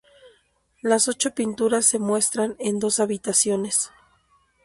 Las ocho pinturas se muestran en dos habitaciones.